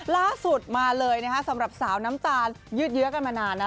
ล่าสุดมาเลยนะคะสำหรับสาวน้ำตาลยืดเยอะกันมานานนะ